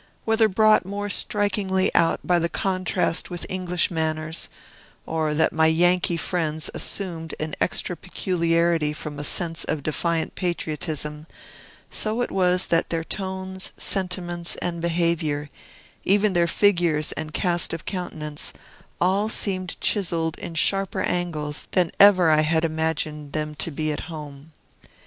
Whether brought more strikingly out by the contrast with English manners, or that my Yankee friends assumed an extra peculiarity from a sense of defiant patriotism, so it was that their tones, sentiments, and behavior, even their figures and cast of countenance, all seemed chiselled in sharper angles than ever I had imagined them to be at home.